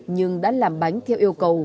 nhưng đã làm bánh theo yêu cầu